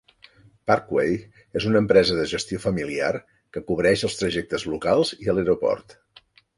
Parkway és una empresa de gestió familiar que cobreix els trajectes locals i a l'aeroport.